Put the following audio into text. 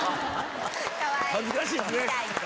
恥ずかしいですね。